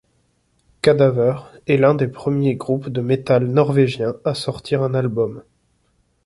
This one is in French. Cadaver est l'un des premiers groupes de metal norvégien à sortir un album.